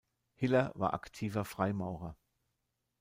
Hiller war aktiver Freimaurer.